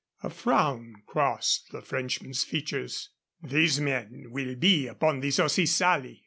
A frown crossed the Frenchman's features. "These men will be upon the Saucy Sally."